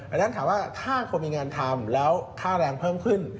อันนั้นถามว่าถ้าคนมีงานทำแล้วค่าแรงเพิ่มขึ้น